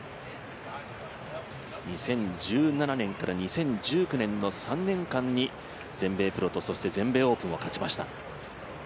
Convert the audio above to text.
２０１７年から２０１９年の３年間に全米プロと全米オープンを勝ちました。